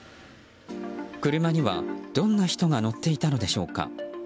車には、どんな人が乗っていたのでしょうか。